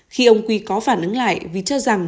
khi ông quy có phản ứng lại vì cho rằng